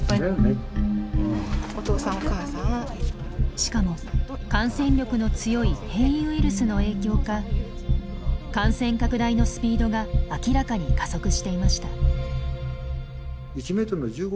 しかも感染力の強い変異ウイルスの影響か感染拡大のスピードが明らかに加速していました。